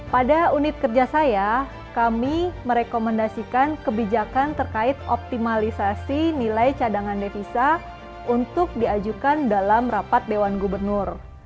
pada unit kerja saya kami merekomendasikan kebijakan terkait optimalisasi nilai cadangan devisa untuk diajukan dalam rapat dewan gubernur